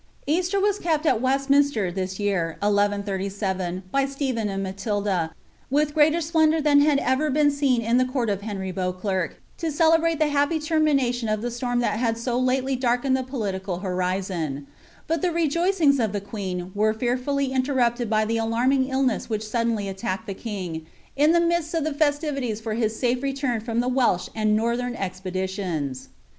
Easter was kept at Westminster this year, 1137, by Stephen and Ma tilda, with greater splendour than had ever been seen in the court o Henry Beaudere, to celebrate the happy termination of the storm that had so lately darkened the political horizon ; but the rejoicings of the queen were fearfully interrupted by the alarming illness which suddenly •ttacked the king, in the midst of the festivities for his safe return from the Welsh and northern expeditions.